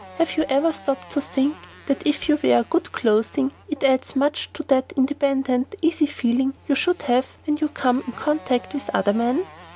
Have you ever stopped to think that if you wear good clothing it adds much to that independent, easy feeling you should have when you come in contact with other men?"